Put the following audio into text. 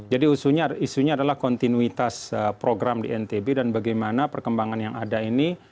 jadi isunya adalah kontinuitas program di ntb dan bagaimana perkembangan yang ada ini